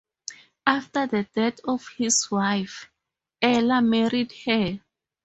After the death of his wife, Eller married her.